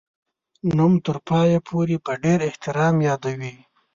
نوم تر پایه پوري په ډېر احترام یادوي.